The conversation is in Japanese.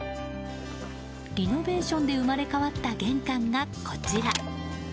リノベーションで生まれ変わった玄関が、こちら。